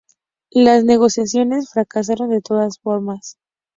Las negociaciones fracasaron de todas formas.